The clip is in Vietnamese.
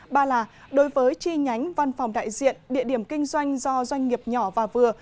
ba là đối với chi nhánh văn phòng đại diện địa điểm kinh doanh do doanh nghiệp nhỏ và vừa